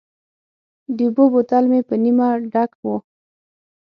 د اوبو بوتل مې په نیمه ډک و.